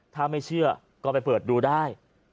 ถ้าไม่เชื่อก็ไปเปิดดูได้